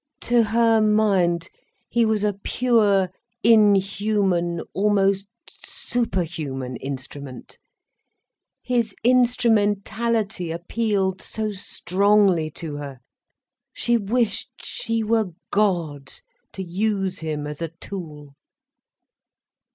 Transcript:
To her mind, he was a pure, inhuman, almost superhuman instrument. His instrumentality appealed so strongly to her, she wished she were God, to use him as a tool.